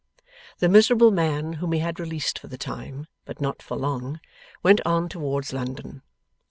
The miserable man whom he had released for the time, but not for long, went on towards London.